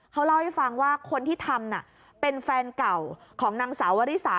เขาเล่าให้ฟังว่าคนที่ทำเป็นแฟนเก่าของนางสาววริสา